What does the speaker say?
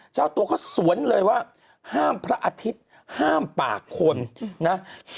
เจ้าตัวเขาสวนเลยว่าห้ามพระอาทิตย์ห้ามปากคนนะ